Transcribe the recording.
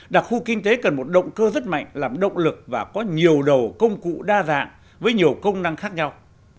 đặc khu kinh tế cần một động cơ rất mạnh làm động lực và có nhiều đầu công cụ đa dạng với nhiều công năng khác nhau